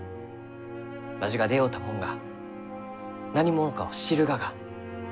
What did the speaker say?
わしが出会うたもんが何者かを知るがが。